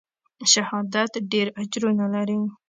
شهادت ډېر اجرونه لري.